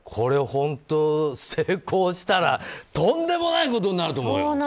本当に成功したらとんでもないことになると思うよ。